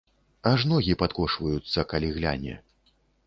Аж ногі падкошваюцца, калі гляне.